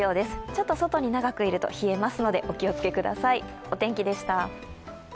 ちょっと外に長くいると冷えますので、お気をつけください。